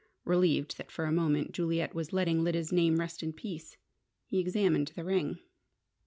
Relieved that, for a moment, Juliet was letting Lyda's name rest in peace, he examined the ring.